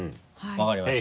分かりました。